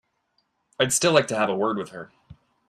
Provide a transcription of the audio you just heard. I'd still like to have a word with her.